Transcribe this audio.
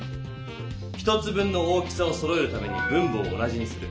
１つ分の大きさをそろえるために分母を同じにする。